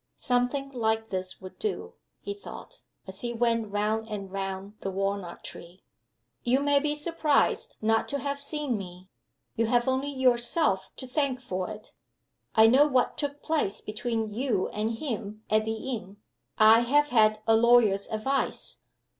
"Something like this would do," he thought, as he went round and round the walnut tree: "You may be surprised not to have seen me. You have only yourself to thank for it. I know what took place between you and him at the inn. I have had a lawyer's advice.